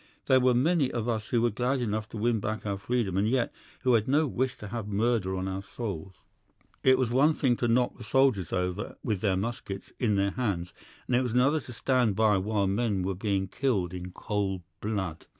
There were many of us who were glad enough to win back our freedom, and yet who had no wish to have murder on our souls. It was one thing to knock the soldiers over with their muskets in their hands, and it was another to stand by while men were being killed in cold blood.